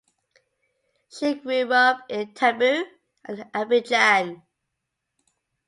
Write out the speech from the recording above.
She grew up in Tabou and Abidjan.